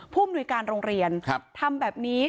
ผู้อำนวยการโรงเรียนทำแบบนี้